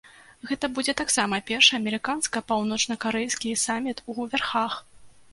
Гэта будзе таксама першы амерыканска-паўночнакарэйскі саміт у вярхах.